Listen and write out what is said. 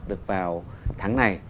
được vào tháng này